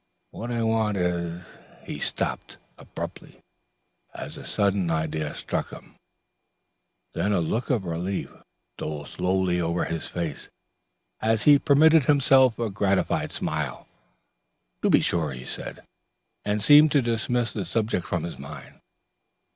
"What I want is " He stopped abruptly as a sudden idea struck him; then a look of relief stole slowly over his face, and he permitted himself a gratified smile, "To be sure!" he said, and seemed to dismiss the subject from his mind.